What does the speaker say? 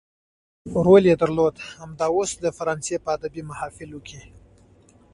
رول يې درلود همدا اوس د فرانسې په ادبي محافلو کې.